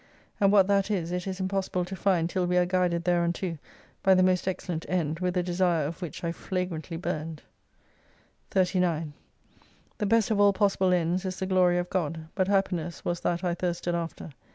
And what that is, it is impossible to find till we are guided thereunto by the most excellent end, with a desire of which I flagrantly burned. 39 The best of all possible ends is the Glory of God, but happiness was that I thirsted after.